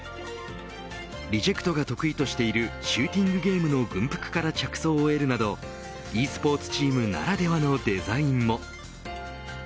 ＲＥＪＥＣＴが得意としているシューティングゲームの軍服から着想を得るなどｅスポーツチームならではのデザインも。